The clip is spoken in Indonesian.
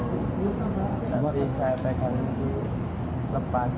tapi saya pegang itu lepas